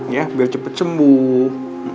ya biar cepet cembuh